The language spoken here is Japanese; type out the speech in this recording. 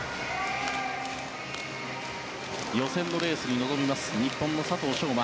予選のレースに臨みます日本の佐藤翔馬。